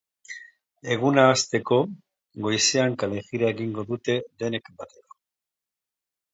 Eguna hasteko, goizean kalejira egingo dute denek batera.